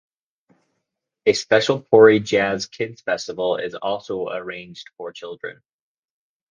A special Pori Jazz Kids Festival is also arranged for children.